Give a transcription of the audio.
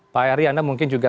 pak eri anda mungkin juga